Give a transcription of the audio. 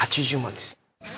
８０万です。